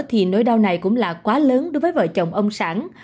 thì nỗi đau này cũng là quá lớn đối với vợ chồng ông sản